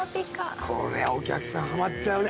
これお客さんハマっちゃうね。